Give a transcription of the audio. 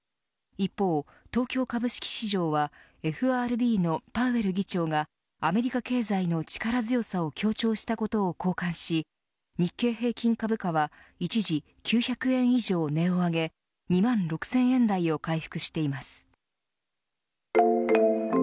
一方、東京株式市場はＦＲＢのパウエル議長がアメリカ経済の力強さを強調したことを好感し日経平均株価は一時９００円以上値を上げ２万６０００円台を回復しています。